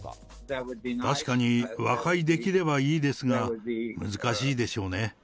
確かに和解できればいいですが、難しいでしょうね。